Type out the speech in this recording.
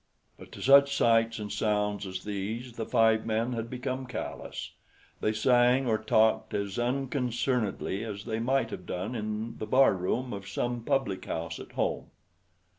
But to such sights and sounds as these the five men had become callous. They sang or talked as unconcernedly as they might have done in the bar room of some publichouse at home.